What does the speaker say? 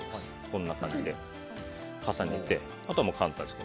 こんな感じで重ねてあとは簡単です。